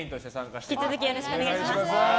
引き続きよろしくお願いします。